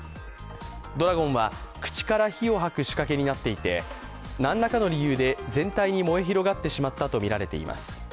ドラゴンは口から火を吐く仕掛けになっていてなんらかの理由で全体に燃え広がってしまったとみられています。